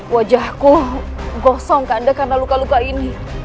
wajahku gosong kanda karena luka luka ini